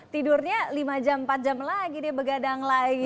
tidurnya lima jam empat jam lagi dia begadang lagi